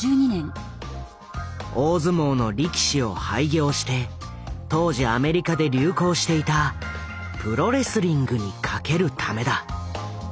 大相撲の力士を廃業して当時アメリカで流行していた「プロ・レスリング」に懸けるためだ。